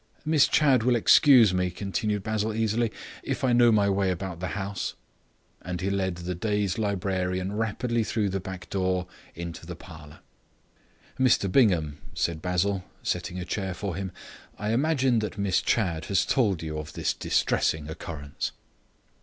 "Miss Chadd will excuse me," continued Basil easily, "if I know my way about the house." And he led the dazed librarian rapidly through the back door into the parlour. "Mr Bingham," said Basil, setting a chair for him, "I imagine that Miss Chadd has told you of this distressing occurrence."